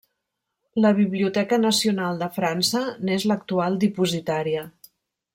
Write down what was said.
La Biblioteca nacional de França n'és l'actual dipositària.